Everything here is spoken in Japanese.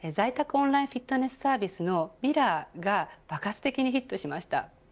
オンラインフィットネスサービスのミラーが爆発的にヒットしました。